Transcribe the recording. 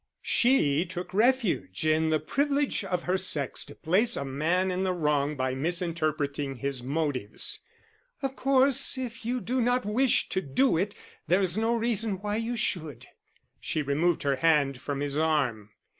She took refuge in the privilege of her sex to place a man in the wrong by misinterpreting his motives. "Of course, if you do not wish to do it, there is no reason why you should." She removed her hand from his arm.